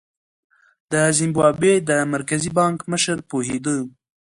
د زیمبابوې د مرکزي بانک مشر پوهېده.